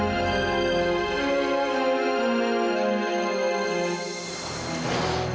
nanti kita berdua bisa berdua